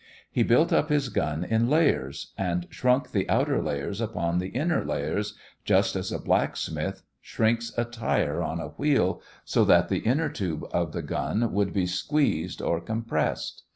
He built up his gun in layers, and shrunk the outer layers upon the inner layers, just as a blacksmith shrinks a tire on a wheel, so that the inner tube of the gun would be squeezed, or compressed.